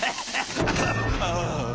ああ。